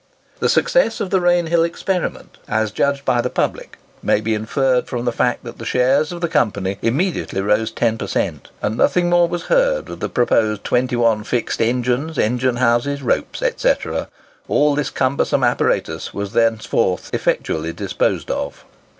The success of the Rainhill experiment, as judged by the public, may be inferred from the fact that the shares of the Company immediately rose ten per cent., and nothing more was heard of the proposed twenty one fixed engines, engine houses, ropes, etc. All this cumbersome apparatus was thenceforward effectually disposed of.